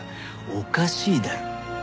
おかしいだろ。